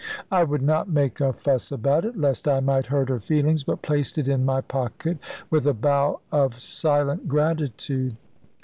I would not make a fuss about it, lest I might hurt her feelings, but placed it in my pocket with a bow of silent gratitude.